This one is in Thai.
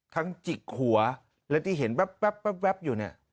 ทั้งจิกหัวและที่เห็นป๊อบอยู่นี่